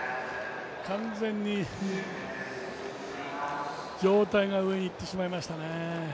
完全に状態が上に行ってしまいましたね。